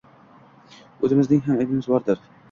O‘zimizning ham aybimiz bordir?